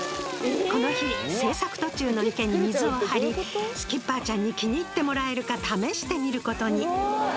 この日制作途中の池に水を張りスキッパーちゃんに気に入ってもらえるか試してみる事に。